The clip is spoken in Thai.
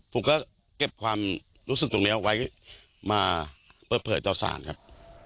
ผมก็เก็บความรู้สึกตรงนี้ไว้มาเปิดเผยต่อสารครับ